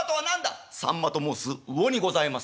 「さんまと申す魚にございます」。